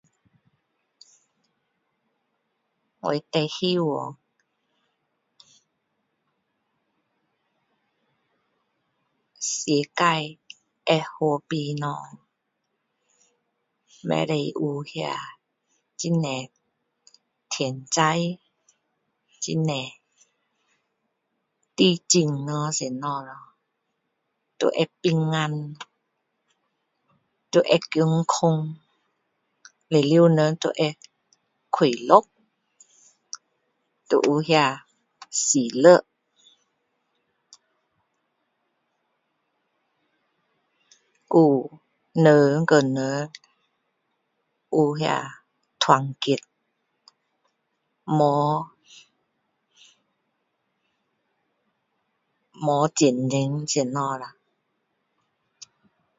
我最希望世界会和平咯不可以有那很多天灾很多地震什么咯要会平安要会健康全部人都会快乐都有那喜乐还有人与人有那团结没没竞争什么啦